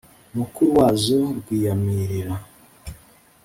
mukuru wazo rwiyamirira